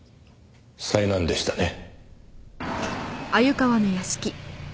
災難でしたね。